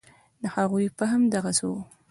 د هغوی فهم دغسې و.